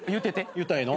言うたらええの？